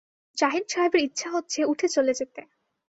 জাহিদ সাহেবের ইচ্ছা হচ্ছে উঠে চলে যেতে।